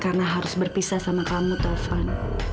karena harus berpisah sama kamu taufan